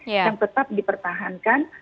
yang tetap dipertahankan